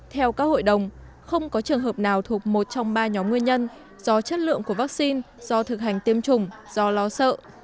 theo các hội đồng không có trường hợp nào thuộc một trong ba nhóm nguyên nhân do chất lượng của vaccine do thực hành tiêm chủng do lo sợ